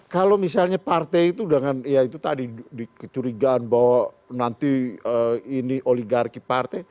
kalau misalnya partai itu dengan ya itu tadi di kecurigaan bahwa nanti ini oligarki partai